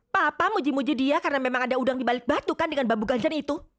papa muji muji dia karena memang ada udang dibalik batu kan dengan bambu ganjar itu